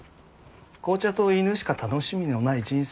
紅茶と犬しか楽しみのない人生なものでね。